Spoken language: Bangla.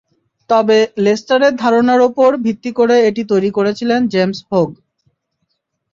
তবে লেস্টারের ধারণার ওপর ভিত্তি করে এটি তৈরি করেছিলেন জেমস হোগ।